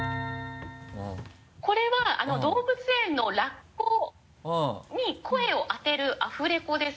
これは動物園のラッコに声をあてるアフレコです。